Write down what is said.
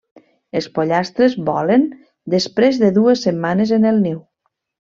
Els pollastres volen després de dues setmanes en el niu.